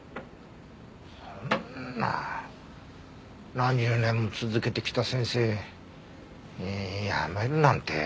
何十年も続けてきた先生辞めるなんて。